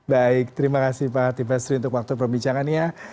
baik terima kasih pak tim pastri untuk waktu perbincangannya